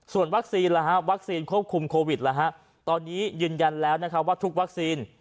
ส่วนวัคซีนควบคุมโครวิดตอนนี้ยืนยันแล้วทุกวัคซีน